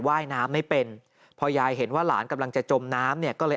ว่ายน้ำไม่เป็นพอยายเห็นว่าหลานกำลังจะจมน้ำเนี่ยก็เลย